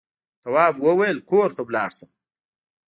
تواب وويل: کور ته لاړ شم.